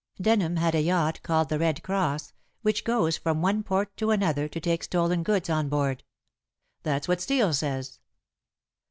Denham had a yacht called The Red Cross, which goes from one port to another to take stolen goods on board." "That's what Steel says."